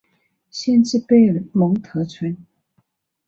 县治贝尔蒙特村。